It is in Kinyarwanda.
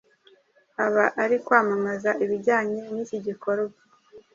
aba ari kwamamaza ibijyanye n’iki gikorwa